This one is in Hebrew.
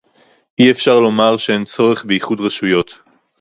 אי-אפשר לומר שאין צורך באיחוד רשויות